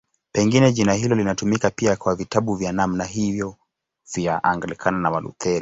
Pengine jina hilo linatumika pia kwa vitabu vya namna hiyo vya Anglikana na Walutheri.